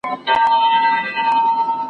هډوکي او مټې د ورزش له لارې قوي کېږي.